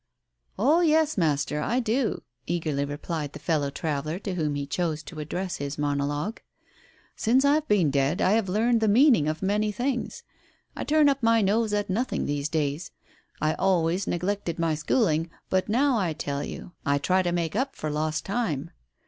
" "Oh yes, Master, I do," eagerly replied the fellow traveller to whom he chose to address his monologue. "Since I've been dead, I have learned the meaning of many things. I turn up my nose at nothing these days. I always neglected my schooling, but now I tell you I try to make up for lost time.